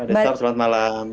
mbak desaf selamat malam